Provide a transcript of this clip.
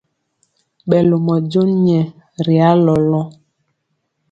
Ɓɛ lomɔ jon nyɛ ri alɔlɔŋ.